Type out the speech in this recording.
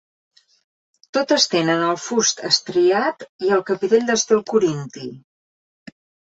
Totes tenen el fust estriat i el capitell d'estil corinti.